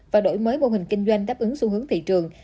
và đổi mới mô hình kinh doanh đáp ứng xu hướng thị trường